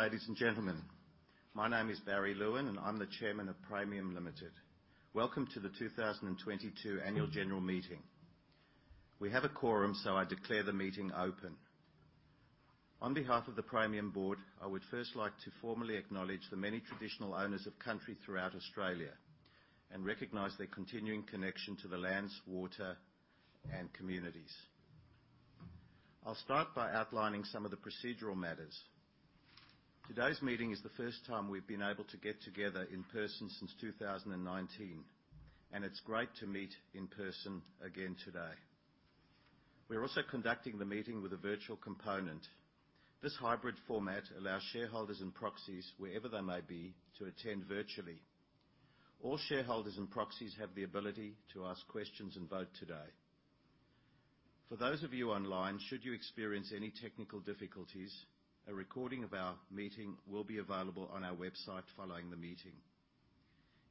Good morning, ladies and gentlemen. My name is Barry Lewin. I'm the Chairman of Praemium Limited. Welcome to the 2022 Annual General Meeting. We have a quorum. I declare the meeting open. On behalf of the Praemium board, I would first like to formally acknowledge the many traditional owners of country throughout Australia and recognize their continuing connection to the lands, water, and communities. I'll start by outlining some of the procedural matters. Today's meeting is the first time we've been able to get together in person since 2019. It's great to meet in person again today. We're also conducting the meeting with a virtual component. This hybrid format allows shareholders and proxies, wherever they may be, to attend virtually. All shareholders and proxies have the ability to ask questions and vote today. For those of you online, should you experience any technical difficulties, a recording of our meeting will be available on our website following the meeting.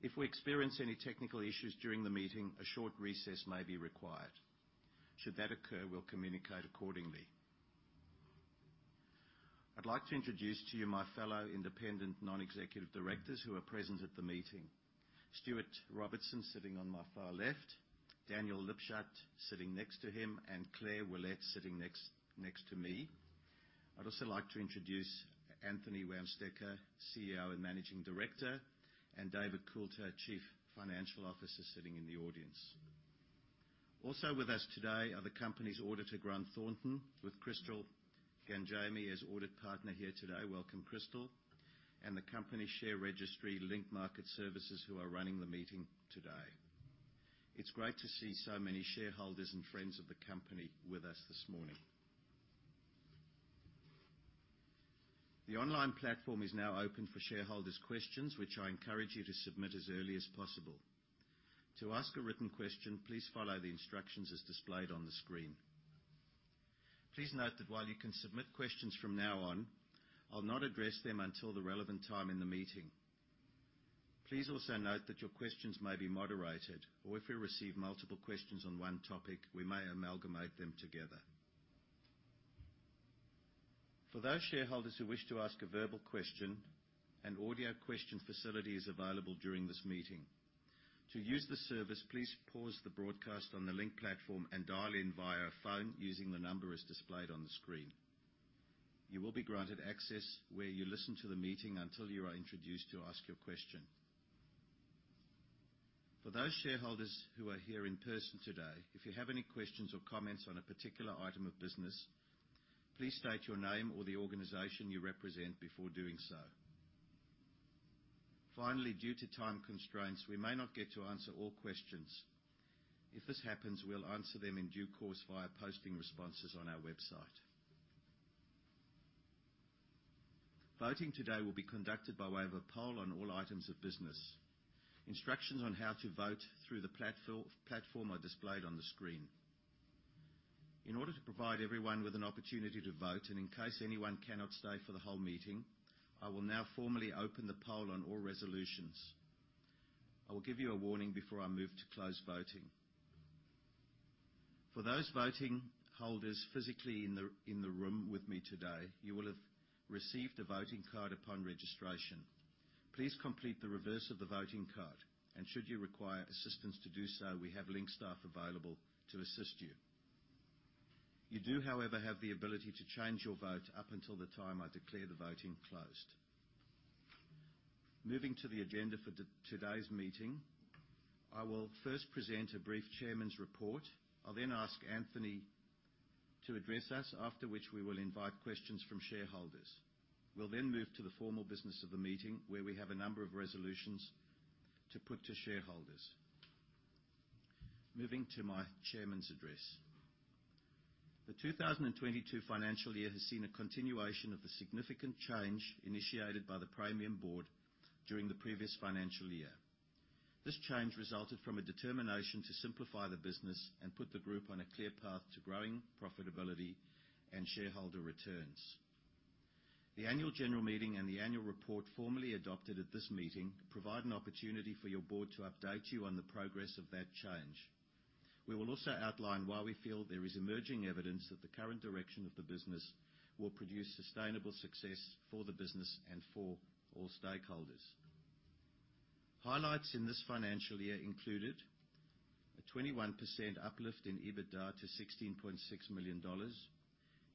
If we experience any technical issues during the meeting, a short recess may be required. Should that occur, we'll communicate accordingly. I'd like to introduce to you my fellow independent Non-Executive Directors who are present at the meeting. Stuart Robertson sitting on my far left, Daniel Lipshut sitting next to him, and Claire Willett sitting next to me. I'd also like to introduce Anthony Wamsteker, CEO and Managing Director, and David Coulter, Chief Financial Officer, sitting in the audience. Also with us today are the company's auditor, Grant Thornton, with Crystal Gangemi as Audit Partner here today. Welcome, Crystal. The company share registry, Link Market Services, who are running the meeting today. It's great to see so many shareholders and friends of the company with us this morning. The online platform is now open for shareholders' questions, which I encourage you to submit as early as possible. To ask a written question, please follow the instructions as displayed on the screen. Please note that while you can submit questions from now on, I'll not address them until the relevant time in the meeting. Please also note that your questions may be moderated, or if we receive multiple questions on one topic, we may amalgamate them together. For those shareholders who wish to ask a verbal question, an audio question facility is available during this meeting. To use the service, please pause the broadcast on the Link platform and dial in via phone using the number as displayed on the screen. You will be granted access where you listen to the meeting until you are introduced to ask your question. For those shareholders who are here in person today, if you have any questions or comments on a particular item of business, please state your name or the organization you represent before doing so. Finally, due to time constraints, we may not get to answer all questions. If this happens, we'll answer them in due course via posting responses on our website. Voting today will be conducted by way of a poll on all items of business. Instructions on how to vote through the platform are displayed on the screen. In order to provide everyone with an opportunity to vote, and in case anyone cannot stay for the whole meeting, I will now formally open the poll on all resolutions. I will give you a warning before I move to close voting. For those voting holders physically in the room with me today, you will have received a voting card upon registration. Please complete the reverse of the voting card. Should you require assistance to do so, we have Link staff available to assist you. You do, however, have the ability to change your vote up until the time I declare the voting closed. Moving to the agenda for today's meeting, I will first present a brief chairman's report. I'll ask Anthony to address us, after which we will invite questions from shareholders. We'll move to the formal business of the meeting, where we have a number of resolutions to put to shareholders. Moving to my chairman's address. The 2022 financial year has seen a continuation of the significant change initiated by the Praemium board during the previous financial year. This change resulted from a determination to simplify the business and put the group on a clear path to growing profitability and shareholder returns. The annual general meeting and the annual report formally adopted at this meeting provide an opportunity for your board to update you on the progress of that change. We will also outline why we feel there is emerging evidence that the current direction of the business will produce sustainable success for the business and for all stakeholders. Highlights in this financial year included a 21% uplift in EBITDA to 16.6 million dollars,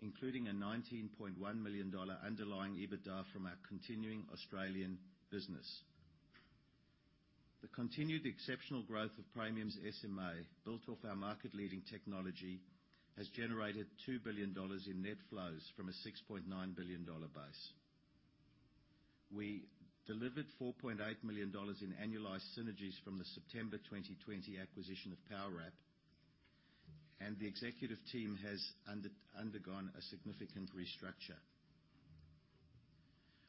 including an 19.1 million dollar underlying EBITDA from our continuing Australian business. The continued exceptional growth of Praemium's SMA, built off our market-leading technology, has generated 2 billion dollars in net flows from a 6.9 billion dollar base. We delivered 4.8 million dollars in annualized synergies from the September 2020 acquisition of Powerwrap, the executive team has undergone a significant restructure.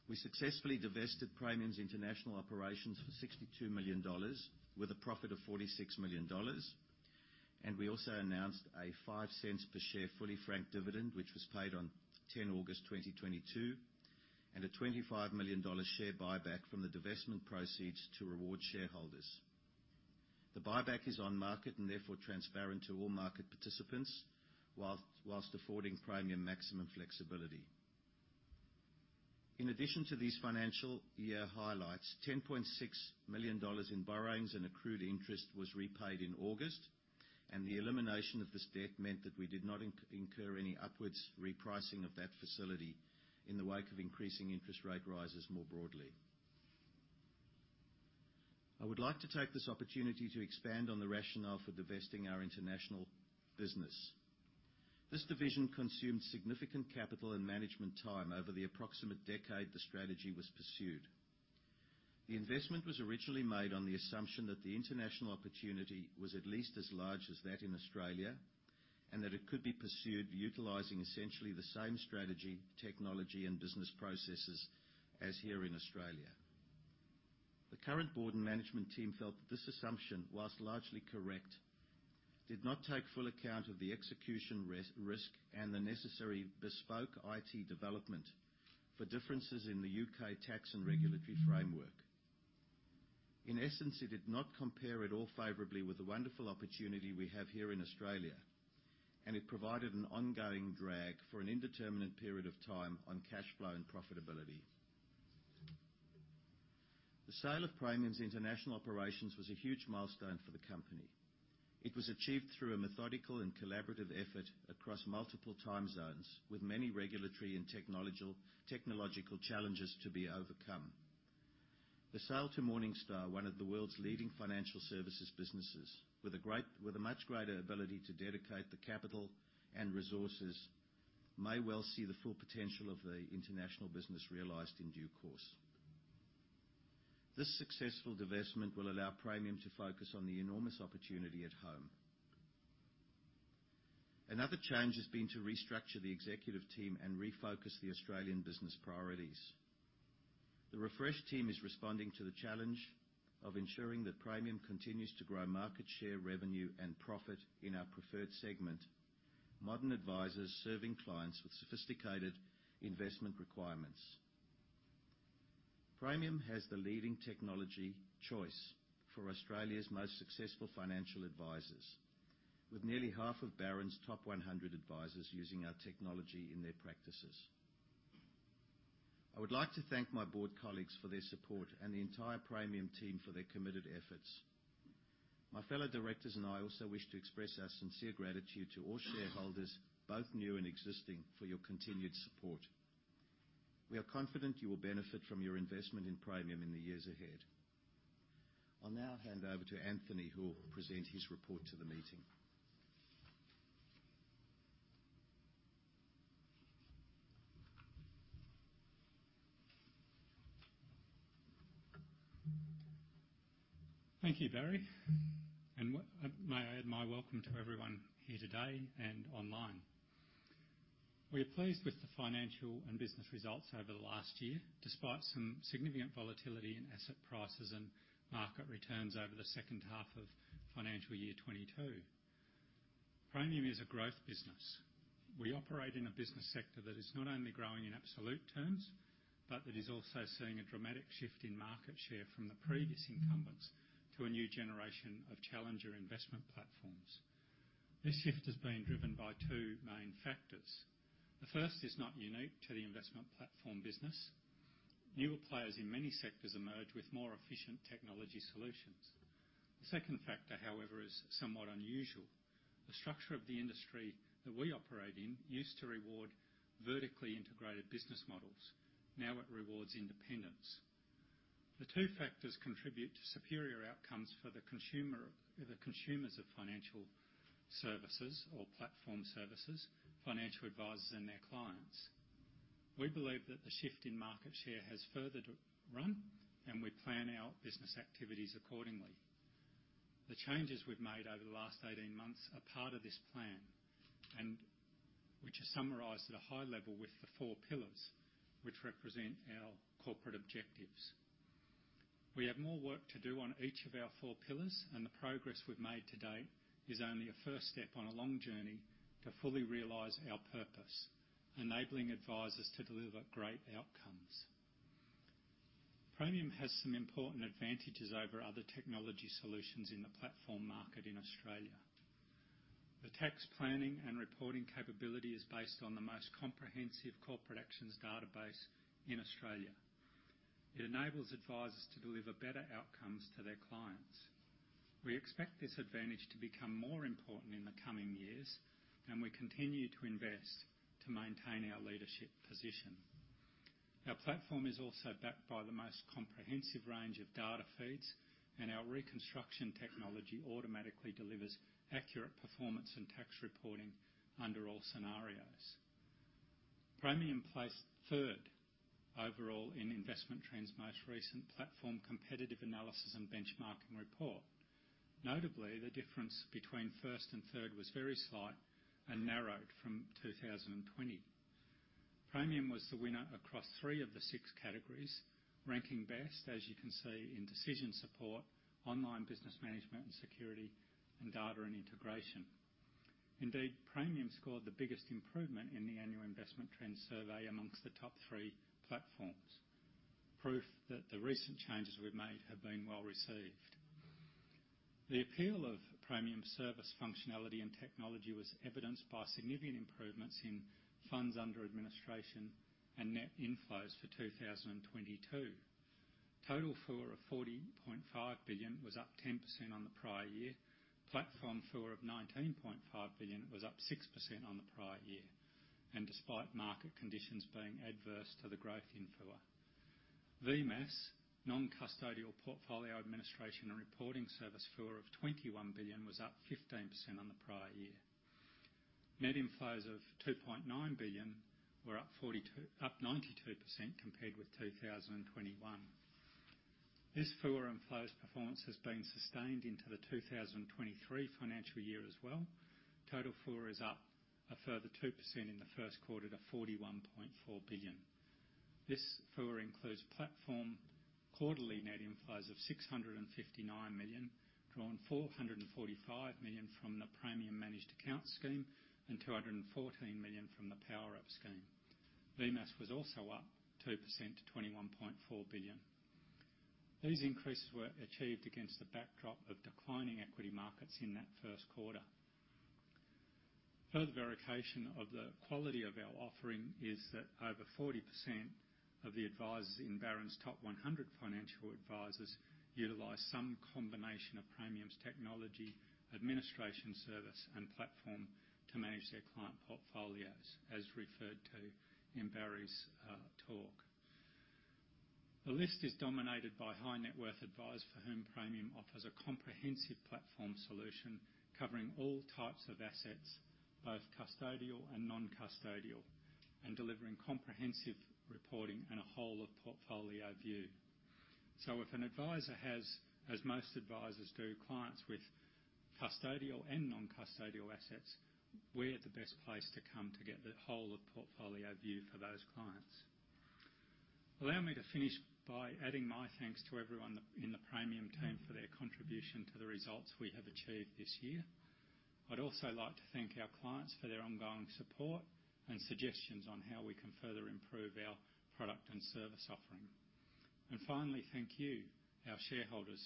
We successfully divested Praemium's international operations for AUD 62 million with a profit of AUD 46 million. We also announced a 0.05 per share fully franked dividend, which was paid on 10th August 2022, and a AUD 25 million share buyback from the divestment proceeds to reward shareholders. The buyback is on market and therefore transparent to all market participants, whilst affording Praemium maximum flexibility. In addition to these financial year highlights, 10.6 million dollars in borrowings and accrued interest was repaid in August. The elimination of this debt meant that we did not incur any upwards repricing of that facility in the wake of increasing interest rate rises more broadly. I would like to take this opportunity to expand on the rationale for divesting our international business. This division consumed significant capital and management time over the approximate decade the strategy was pursued. The investment was originally made on the assumption that the international opportunity was at least as large as that in Australia, and that it could be pursued utilizing essentially the same strategy, technology and business processes as here in Australia. The current board and management team felt that this assumption, while largely correct, did not take full account of the execution risk and the necessary bespoke IT development for differences in the U.K. tax and regulatory framework. In essence, it did not compare at all favorably with the wonderful opportunity we have here in Australia. It provided an ongoing drag for an indeterminate period of time on cash flow and profitability. The sale of Praemium's international operations was a huge milestone for the company. It was achieved through a methodical and collaborative effort across multiple time zones, with many regulatory and technological challenges to be overcome. The sale to Morningstar, one of the world's leading financial services businesses, with a much greater ability to dedicate the capital and resources, may well see the full potential of the international business realized in due course. This successful divestment will allow Praemium to focus on the enormous opportunity at home. Another change has been to restructure the executive team and refocus the Australian business priorities. The refreshed team is responding to the challenge of ensuring that Praemium continues to grow market share, revenue and profit in our preferred segment, modern advisors serving clients with sophisticated investment requirements. Praemium has the leading technology choice for Australia's most successful financial advisors, with nearly half of Barron's Top 100 advisors using our technology in their practices. I would like to thank my board colleagues for their support and the entire Praemium team for their committed efforts. My fellow directors and I also wish to express our sincere gratitude to all shareholders, both new and existing, for your continued support. We are confident you will benefit from your investment in Praemium in the years ahead. I'll now hand over to Anthony, who will present his report to the meeting. Thank you, Barry. May I add my welcome to everyone here today and online. We are pleased with the financial and business results over the last year, despite some significant volatility in asset prices and market returns over the second half of financial year 22. Praemium is a growth business. We operate in a business sector that is not only growing in absolute terms, but that is also seeing a dramatic shift in market share from the previous incumbents to a new generation of challenger investment platforms. This shift is being driven by two main factors. The first is not unique to the investment platform business. Newer players in many sectors emerge with more efficient technology solutions. The second factor, however, is somewhat unusual. The structure of the industry that we operate in used to reward vertically integrated business models. Now it rewards independence. The two factors contribute to superior outcomes for the consumer, the consumers of financial services or platform services, financial advisors and their clients. We believe that the shift in market share has further to run, and we plan our business activities accordingly. The changes we've made over the last 18 months are part of this plan, and which are summarized at a high level with the four pillars, which represent our corporate objectives. We have more work to do on each of our four pillars, and the progress we've made to date is only a first step on a long journey to fully realize our purpose, enabling advisors to deliver great outcomes. Praemium has some important advantages over other technology solutions in the platform market in Australia. The tax planning and reporting capability is based on the most comprehensive corporate actions database in Australia. It enables advisors to deliver better outcomes to their clients. We expect this advantage to become more important in the coming years, and we continue to invest to maintain our leadership position. Our platform is also backed by the most comprehensive range of data feeds, and our reconstruction technology automatically delivers accurate performance and tax reporting under all scenarios. Praemium placed third overall in Investment Trends' most recent platform competitive analysis and benchmarking report. Notably, the difference between first and third was very slight and narrowed from 2020. Praemium was the winner across three of the six categories, ranking best, as you can see, in decision support, online business management and security and data and integration. Indeed, Praemium scored the biggest improvement in the annual Investment Trends survey amongst the top three platforms, proof that the recent changes we've made have been well-received. The appeal of Praemium service functionality and technology was evidenced by significant improvements in funds under administration and net inflows for 2022. Total FUA of 40.5 billion was up 10% on the prior year. Platform FUA of 19.5 billion was up 6% on the prior year, despite market conditions being adverse to the growth in FUA. VMAS, non-custodial portfolio administration and reporting service FUA of 21 billion was up 15% on the prior year. Net inflows of 2.9 billion were up 92% compared with 2021. This FUA inflows performance has been sustained into the 2023 financial year as well. Total FUA is up a further 2% in the first quarter to 41.4 billion. This FUA includes platform quarterly net inflows of 659 million, drawing 445 million from the Praemium Managed Accounts scheme and 214 million from the Powerwrap scheme. VMAS was also up 2% to 21.4 billion. These increases were achieved against the backdrop of declining equity markets in that first quarter. Further verification of the quality of our offering is that over 40% of the advisors in Barron's Top 100 Financial Advisors utilize some combination of Praemium's technology, administration service, and platform to manage their client portfolios, as referred to in Barry's talk. The list is dominated by high-net-worth advisors for whom Praemium offers a comprehensive platform solution covering all types of assets, both custodial and non-custodial, and delivering comprehensive reporting and a whole of portfolio view. If an advisor has, as most advisors do, clients with custodial and non-custodial assets, we're the best place to come to get the whole of portfolio view for those clients. Allow me to finish by adding my thanks to everyone in the Praemium team for their contribution to the results we have achieved this year. I'd also like to thank our clients for their ongoing support and suggestions on how we can further improve our product and service offering. Finally, thank you, our shareholders,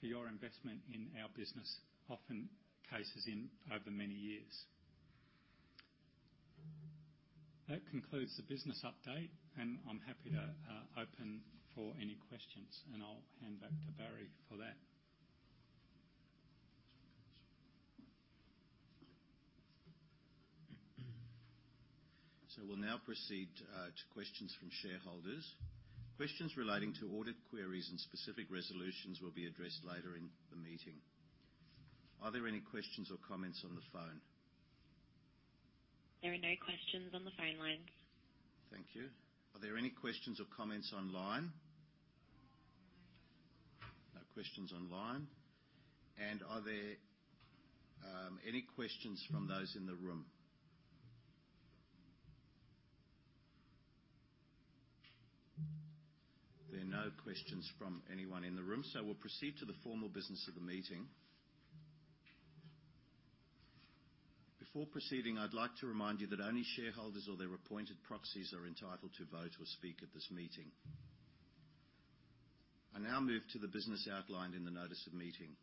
for your investment in our business, often cases in over many years. That concludes the business update, and I'm happy to open for any questions, and I'll hand back to Barry for that. We'll now proceed to questions from shareholders. Questions relating to audit queries and specific resolutions will be addressed later in the meeting. Are there any questions or comments on the phone? There are no questions on the phone lines. Thank you. Are there any questions or comments online? No questions online. Are there any questions from those in the room? There are no questions from anyone in the room. We'll proceed to the formal business of the meeting. Before proceeding, I'd like to remind you that only shareholders or their appointed proxies are entitled to vote or speak at this meeting. I now move to the business outlined in the notice of meeting.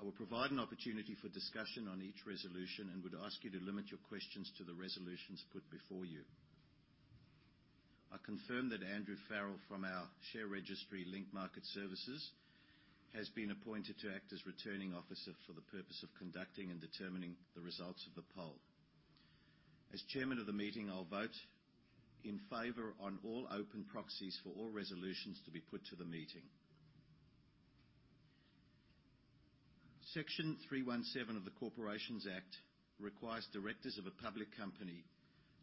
I will provide an opportunity for discussion on each resolution and would ask you to limit your questions to the resolutions put before you. I confirm that Andrew Farrell from our share registry, Link Market Services, has been appointed to act as Returning Officer for the purpose of conducting and determining the results of the poll. As Chairman of the meeting, I'll vote in favor on all open proxies for all resolutions to be put to the meeting. Section 317 of the Corporations Act requires directors of a public company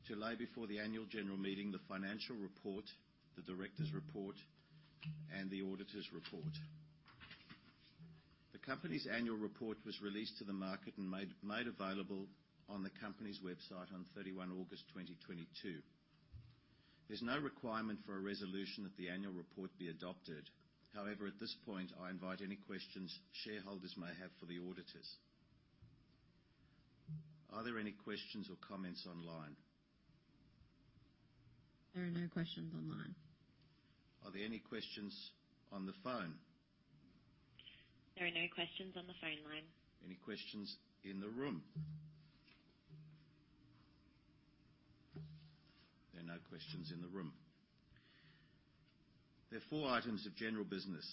to lay before the annual general meeting the financial report, the director's report, and the auditor's report. The company's annual report was released to the market and made available on the company's website on 31st August 2022. There's no requirement for a resolution that the annual report be adopted. However, at this point, I invite any questions shareholders may have for the auditors. Are there any questions or comments online? There are no questions online. Are there any questions on the phone? There are no questions on the phone line. Any questions in the room? There are no questions in the room. There are four items of general business,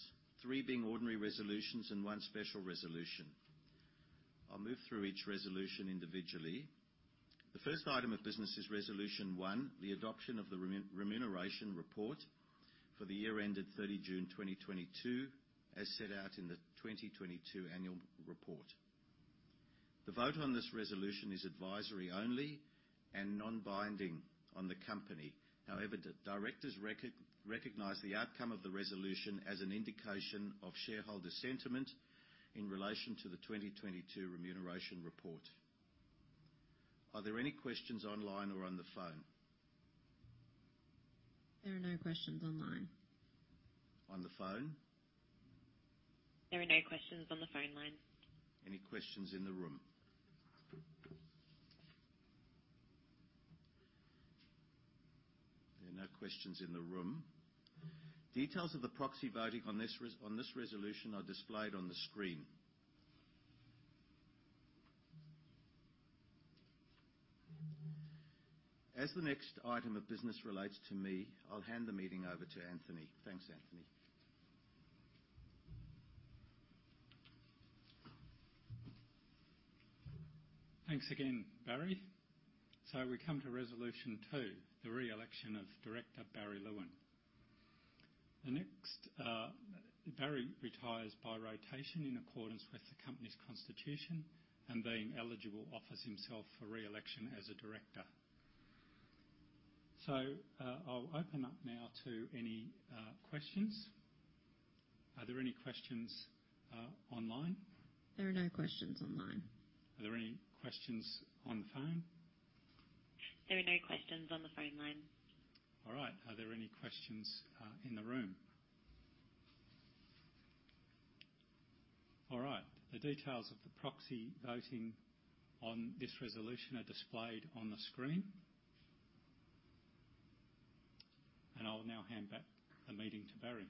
three being ordinary resolutions and one special resolution. I'll move through each resolution individually. The first item of business is resolution one, the adoption of the remuneration report for the year ended 30th June 2022, as set out in the 2022 annual report. The vote on this resolution is advisory only and non-binding on the company. However, the directors recognize the outcome of the resolution as an indication of shareholder sentiment in relation to the 2022 remuneration report. Are there any questions online or on the phone? There are no questions online. On the phone? There are no questions on the phone line. Any questions in the room? There are no questions in the room. Details of the proxy voting on this resolution are displayed on the screen. As the next item of business relates to me, I'll hand the meeting over to Anthony. Thanks, Anthony. Thanks again, Barry. We come to Resolution 2, the re-election of Director Barry Lewin. The next, Barry retires by rotation in accordance with the company's constitution and being eligible offers himself for re-election as a director. I'll open up now to any questions. Are there any questions online? There are no questions online. Are there any questions on the phone? There are no questions on the phone line. All right. Are there any questions in the room? All right. The details of the proxy voting on this resolution are displayed on the screen. I'll now hand back the meeting to Barry.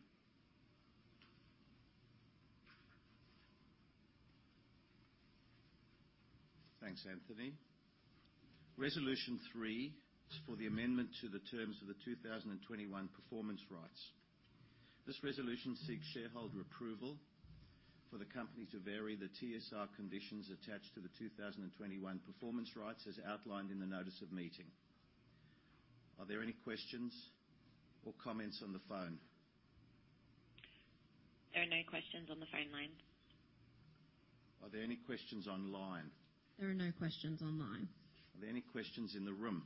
Thanks, Anthony. Resolution 3 is for the amendment to the terms of the 2021 performance rights. This resolution seeks shareholder approval for the company to vary the TSR conditions attached to the 2021 performance rights as outlined in the notice of meeting. Are there any questions or comments on the phone? There are no questions on the phone line. Are there any questions online? There are no questions online. Are there any questions in the room?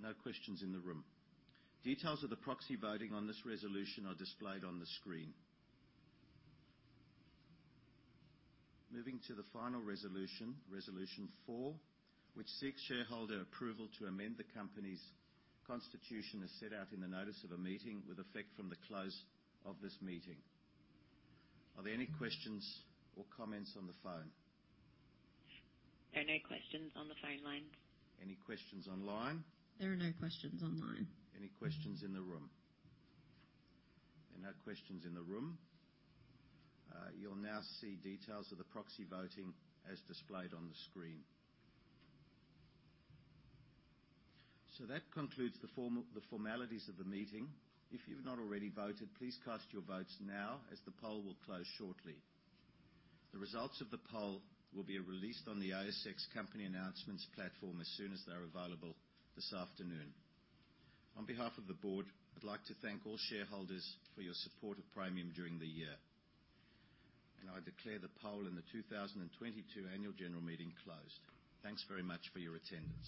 No questions in the room. Details of the proxy voting on this resolution are displayed on the screen. Moving to the final Resolution 4, which seeks shareholder approval to amend the company's constitution as set out in the notice of a meeting with effect from the close of this meeting. Are there any questions or comments on the phone? There are no questions on the phone line. Any questions online? There are no questions online. Any questions in the room? There are no questions in the room. You'll now see details of the proxy voting as displayed on the screen. That concludes the formalities of the meeting. If you've not already voted, please cast your votes now as the poll will close shortly. The results of the poll will be released on the ASX company announcements platform as soon as they're available this afternoon. On behalf of the board, I'd like to thank all shareholders for your support of Praemium during the year. I declare the poll in the 2022 annual general meeting closed. Thanks very much for your attendance.